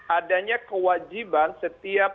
adanya kewajiban setiap